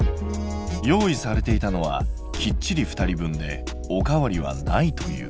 用意されていたのはきっちり２人分でおかわりはないという。